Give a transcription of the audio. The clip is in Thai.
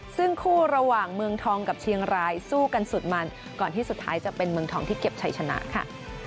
ซึ่งคู่ระหว่างเมืองทองกับเชียงรายสู้กันสุดมันก่อนที่สุดท้ายจะเป็นเมืองทองที่เก็บชัยชนะค่ะ